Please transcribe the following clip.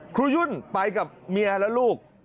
ยุ่นไปกับเมียและลูก